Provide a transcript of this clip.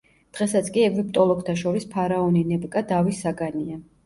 დღესაც კი ეგვიპტოლოგთა შორის ფარაონი ნებკა დავის საგანია.